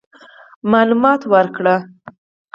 معلومات ورکړي.